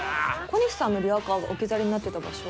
小西さんのリアカーが置き去りになってた場所。